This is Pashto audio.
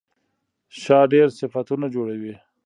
شا ډېر صفتونه جوړوي.